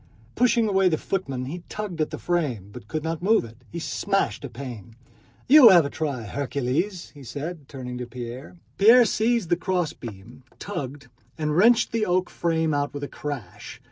Pushing away the footmen he tugged at the frame, but could not move it. He smashed a pane. "You have a try, Hercules," said he, turning to Pierre. Pierre seized the crossbeam, tugged, and wrenched the oak frame out with a crash.